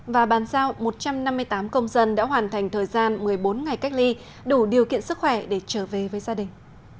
và bàn giao một trăm năm mươi tám công dân đã hoàn thành thời gian một mươi bốn ngày cách ly đủ điều kiện sức khỏe để trở về với gia đình